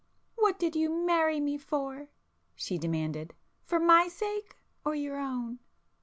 "What did you marry me for?" she demanded—"For my sake or your own?"